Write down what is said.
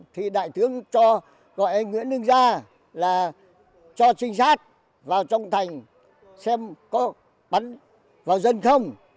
thì đại tướng cho gọi anh nguyễn đức ra là cho trinh sát vào trong thành xem có bắn vào dân không